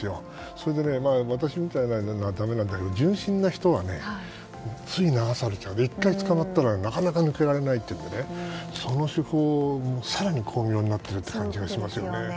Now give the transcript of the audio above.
それで私たちの時代でもだめなんだけど重水な人はつい流されちゃう１回捕まったらなかなか抜けられないというのでその手法を更に巧妙になってる気がしますよね。